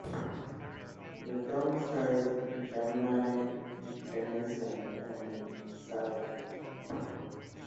The film stars Gemini Ganesan and Savitri.